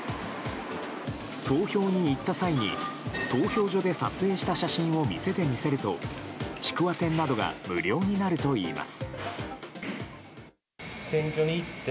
投票に行った際に投票所で撮影した写真を店で見せると、ちくわ天などが無料になるといいます。